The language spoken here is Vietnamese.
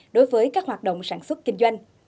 đối với các hoạt động sản xuất kinh doanh